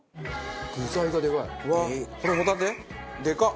具材がでかい。